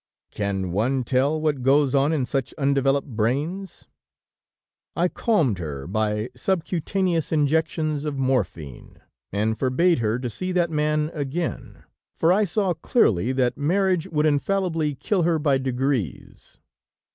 Can one tell what goes on in such undeveloped brains? "I calmed her by subcutaneous injections of morphine, and forbade her to see that man again, for I saw clearly that marriage would infallibly kill her, by degrees."